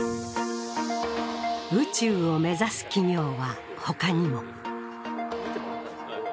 宇宙を目指す企業は他にも。